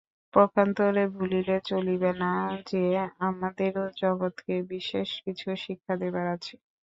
পক্ষান্তরে ভুলিলে চলিবে না যে, আমাদেরও জগৎকে বিশেষ কিছু শিক্ষা দিবার আছে।